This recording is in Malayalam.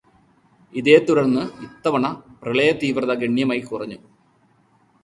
ഇതേത്തുടര്ന്ന് ഇത്തവണ പ്രളയതീവ്രത ഗണ്യമായി കുറഞ്ഞു.